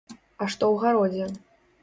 А што ў гародзе?